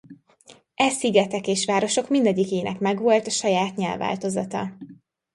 E szigetek és városok mindegyikének megvolt a saját nyelvváltozata.